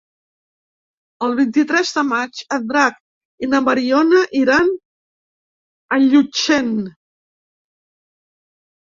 El vint-i-tres de maig en Drac i na Mariona iran a Llutxent.